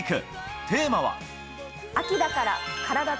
テーマは。